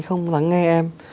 không dám nghe em